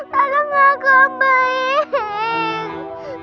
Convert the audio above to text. tolong aku om baik